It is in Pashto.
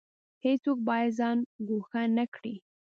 هیڅوک باید ځان ګوښه نکړي